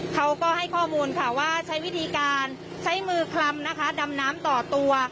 เขาก็ให้ข้อมูลค่ะว่าใช้วิธีการใช้มือคลำนะคะดำน้ำต่อตัว